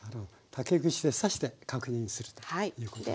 竹串で刺して確認するということですね。